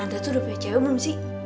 anda tuh udah pake cewek belum sih